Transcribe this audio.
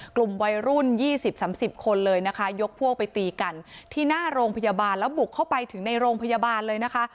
กลุ่มวัยรุ่น๒๐๓๐คนเลยนะคะยกพวกไปตีกันที่หน้าโรงพยาบาลแล้วบุกเข้าไปถึงในโรงพยาบาลเลยนะคะ